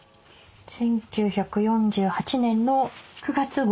１９４８年の９月号。